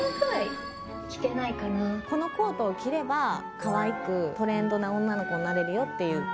このコートを着ればかわいくトレンドな女の子になれるよっていう。